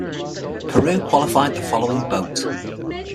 Peru qualified the following boat.